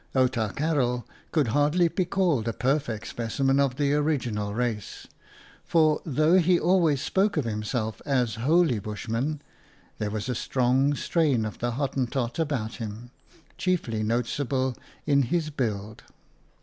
Outa Karel could hardly be called a perfect specimen of the original race, for, though he always spoke of himself as wholly Bushman, there was a strong strain of the Hottentot about him, chiefly noticeable in his build.